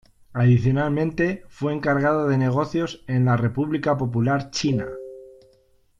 Adicionalmente, fue Encargado de Negocios en la República Popular China.